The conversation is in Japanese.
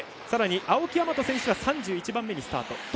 さらに青木大和選手は３１番目にスタート。